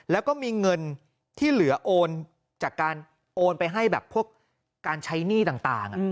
แล้วก็มีเงินที่เหลือโอนจากการโอนไปให้แบบพวกการใช้หนี้ต่าง